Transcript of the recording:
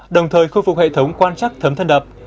đồng thời khôi phục hệ thống quan chắc thấm thân đập